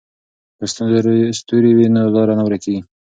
که ستوري وي نو لار نه ورکېږي.